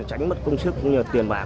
tránh mất công chức cũng như tiền bạc